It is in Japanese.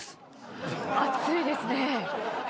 熱いですね。